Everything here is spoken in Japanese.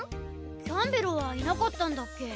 キャンベロはいなかったんだっけ。